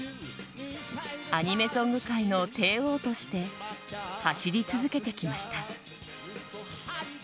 アニメソング界の帝王として走り続けてきました。